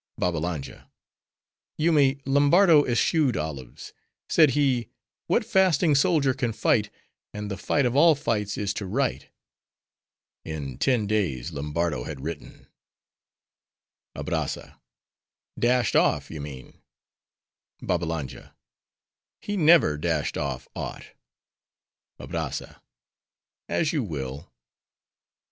BABBALANJA—Yoomy, Lombardo eschewed olives. Said he, "What fasting soldier can fight? and the fight of all fights is to write." In ten days Lombardo had written— ABRAZZA—Dashed off, you mean. BABBALANJA—He never dashed off aught. ABRAZZA—As you will.